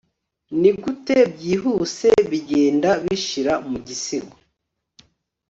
nigute byihuse bigenda bishira mu gisigo